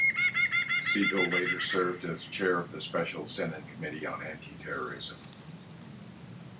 Segal later served as Chair of the Special Senate Committee on Anti-Terrorism.